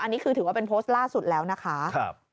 อันนี้คือถือว่าเป็นโพสต์ล่าสุดแล้วนะคะ